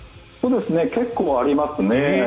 結構ありますね。